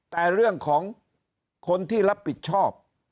แต่เรื่องของคนที่รับผิดชอบ